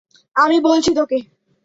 আমি বলছি তোকে।